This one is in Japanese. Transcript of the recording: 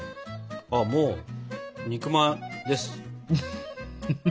もう肉まんです。